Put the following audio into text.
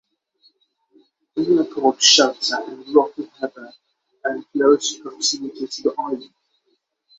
Inner Port Shelter and Rocky Harbour are in close proximity to the island.